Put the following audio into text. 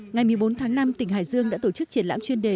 ngày một mươi bốn tháng năm tỉnh hải dương đã tổ chức triển lãm chuyên đề